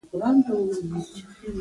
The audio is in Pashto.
احمد کتابونه لاندې باندې کړل.